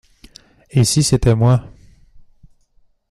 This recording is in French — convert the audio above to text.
Et si c’était moi ?